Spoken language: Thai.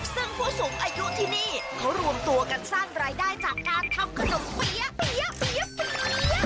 ซึ่งผู้สูงอายุที่นี่เขารวมตัวกันสร้างรายได้จากการทำขนมเปี๊ยะเปี๊ยะเปี๊ยะเปี๊ยะ